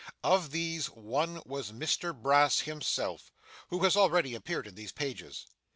Of these, one was Mr Brass himself, who has already appeared in these pages.